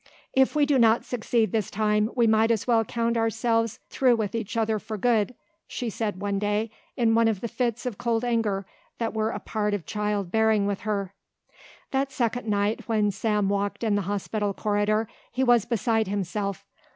"If we do not succeed this time we might as well count ourselves through with each other for good," she said one day in one of the fits of cold anger that were a part of child bearing with her. That second night when Sam walked in the hospital corridor he was beside himself.